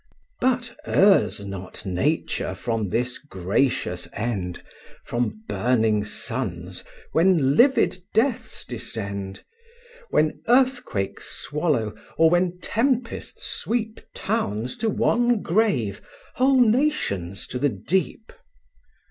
But errs not Nature from this gracious end, From burning suns when livid deaths descend, When earthquakes swallow, or when tempests sweep Towns to one grave, whole nations to the deep?